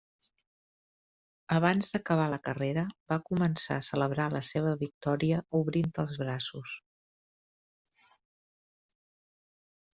Abans d'acabar la carrera, va començar a celebrar la seva victòria obrint els braços.